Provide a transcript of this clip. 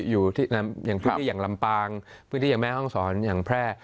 อยู่พื้นที่อย่างลำปางแม่ห้องสอนแคร่